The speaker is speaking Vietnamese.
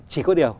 chỉ có điều